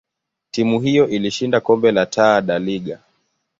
timu hiyo ilishinda kombe la Taa da Liga.